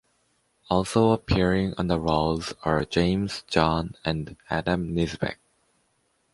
Also appearing on the rolls are James, John and Adam Nisbet.